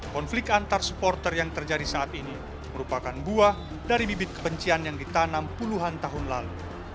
konflik antar supporter yang terjadi saat ini merupakan buah dari bibit kebencian yang ditanam puluhan tahun lalu